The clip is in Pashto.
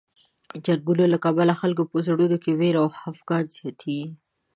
د جنګونو له کبله د خلکو په زړونو کې وېره او خفګان زیاتېږي.